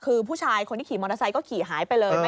คือผู้ชายคนที่ขี่มอเตอร์ไซค์ก็ขี่หายไปเลย